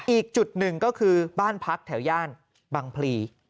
อีกจุดหนึ่งก็คือบ้านพักแถวย่านบังพลี